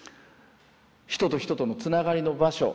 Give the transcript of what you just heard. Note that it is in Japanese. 人と人とのつながりの場所。